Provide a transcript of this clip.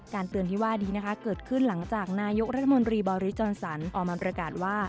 เตือนที่ว่านี้นะคะเกิดขึ้นหลังจากนายกรัฐมนตรีบอริจอนสันออกมาประกาศว่า